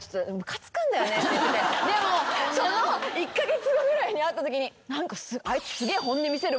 でもその１カ月後ぐらいに会ったときに。